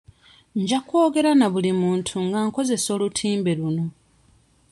Nja kwogera na buli muntu nga nkozesa olutimbe luno.